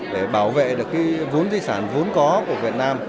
để bảo vệ được cái vốn di sản vốn có của việt nam